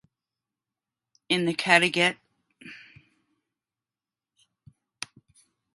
In the Kattegat, the salinity has a pronounced two-layer structure.